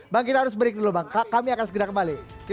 bang kita harus break dulu bang kami akan segera kembali